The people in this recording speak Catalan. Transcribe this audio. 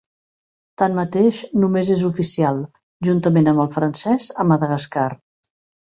Tanmateix només és oficial, juntament amb el francès, a Madagascar.